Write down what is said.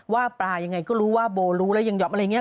ว่าปลายังไงก็รู้ว่าโบรู้และยังยอมอะไรเงี่ย